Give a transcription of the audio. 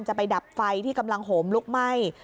จะไปดับไฟที่กำลังโหมลุกไหม้